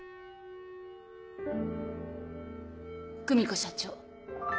久美子社長